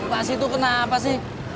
lo pas itu kenapa sih